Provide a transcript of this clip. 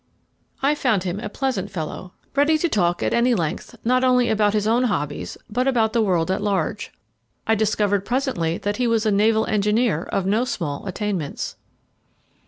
I found him a pleasant fellow, ready to talk at any length not only about his own hobbies, but about the world at large. I discovered presently that he was a naval engineer of no small attainments.